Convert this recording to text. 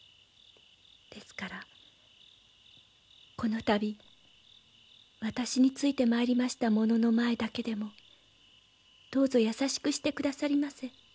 ですからこの度私についてまいりました者の前だけでもどうぞ優しくしてくださりませ。